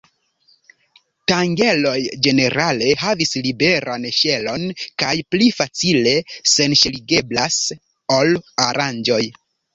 Tangeloj ĝenerale havas liberan ŝelon kaj pli facile senŝeligeblas ol oranĝoj.